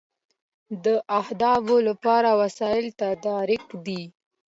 دا د اهدافو لپاره د وسایلو تدارک دی.